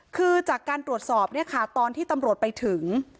คือจากการตรวจสอบเนี่ยค่ะตอนที่ตำรวจไปถึง